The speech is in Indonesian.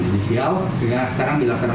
ternyata tersangka berusaha melarikan diri